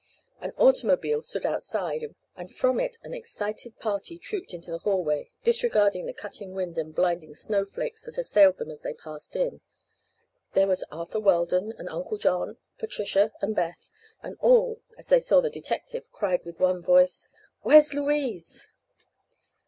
An automobile stood outside, and from it an excited party trooped into the hallway, disregarding the cutting wind and blinding snowflakes that assailed them as they passed in. There was Arthur Weldon and Uncle John, Patricia and Beth; and all, as they saw the detective, cried with one voice: "Where's Louise?"